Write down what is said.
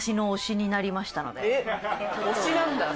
えっ推しなんだ。